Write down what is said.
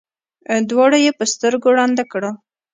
دواړه یې په سترګو ړانده کړل.